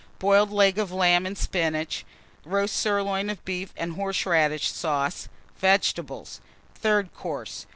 Boiled Leg of Lamb and Spinach. Roast Sirloin of Beef and Horseradish Sauce. Vegetables. THIRD COURSE.